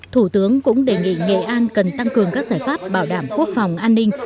thủ tướng cũng đề nghị nghệ an cần tăng cường các giải pháp bảo đảm quốc phòng an ninh